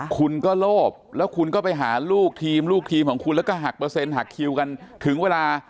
คุณก็โลภแล้วคุณก็ไปหาลูกทีมลูกทีมของคุณแล้วก็หักเปอร์เซ็นหักคิวกันถึงเวลา